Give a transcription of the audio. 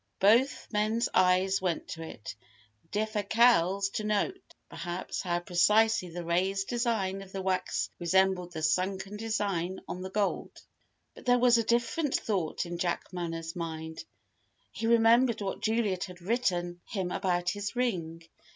Both men's eyes went to it; Defasquelle's to note, perhaps, how precisely the raised design of the wax resembled the sunken design on the gold. But there was a different thought in Jack Manners' mind. He remembered what Juliet had written him about this ring.